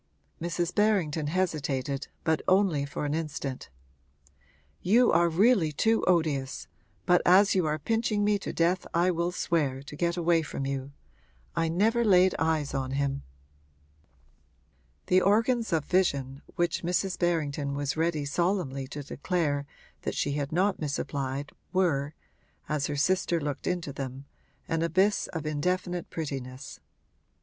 Mrs. Berrington hesitated, but only for an instant. 'You are really too odious, but as you are pinching me to death I will swear, to get away from you. I never laid eyes on him.' The organs of vision which Mrs. Berrington was ready solemnly to declare that she had not misapplied were, as her sister looked into them, an abyss of indefinite prettiness.